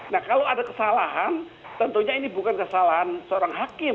nah kalau ada kesalahan tentunya ini bukan kesalahan seorang hakim